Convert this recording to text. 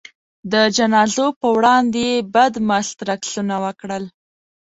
د جنازو په وړاندې یې بدمست رقصونه وکړل.